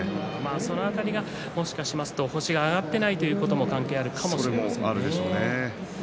その辺り星が挙がっていないということも関係あるかもしれませんね。